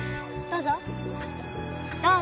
どうぞ！